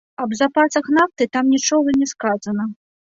Аб запасах нафты там нічога не сказана.